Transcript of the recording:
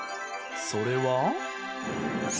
それは。